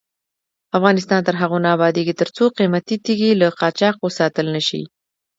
افغانستان تر هغو نه ابادیږي، ترڅو قیمتي تیږې له قاچاق وساتل نشي.